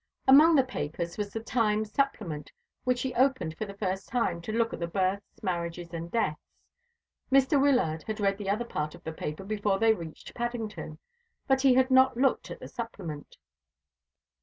Among the papers, was the Times supplement, which she opened for the first time to look at the births, marriages, and deaths. Mr. Wyllard had read the other part of the paper before they reached Paddington, but he had not looked at the supplement.